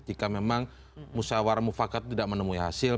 jika memang musawarah mufakat tidak menemui hasil